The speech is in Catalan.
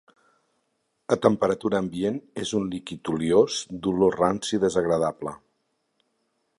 A temperatura ambient és un líquid oliós d'olor ranci desagradable.